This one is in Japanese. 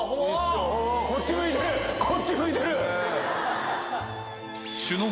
こっち向いてるこっち向いてる！